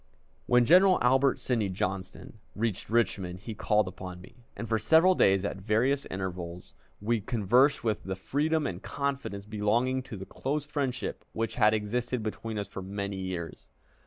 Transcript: When General Albert Sidney Johnston reached Richmond he called upon me, and for several days at various intervals we conversed with the freedom and confidence belonging to the close friendship which had existed between us for many years.